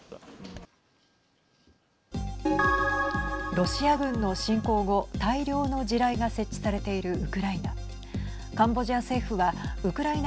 ロシア軍の侵攻後大量の地雷が設置されているウクライナ。